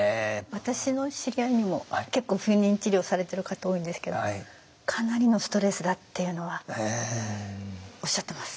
私の知り合いにも結構不妊治療されてる方多いんですけどかなりのストレスだっていうのはおっしゃってます。